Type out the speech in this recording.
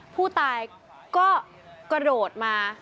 ผู้ตายก็กระโดดมา